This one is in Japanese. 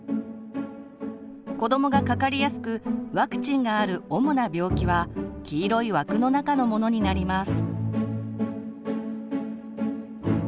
子どもがかかりやすくワクチンがある主な病気は黄色い枠の中のものになります。